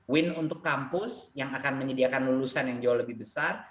win untuk kampus yang akan menyediakan lulusan yang jauh lebih besar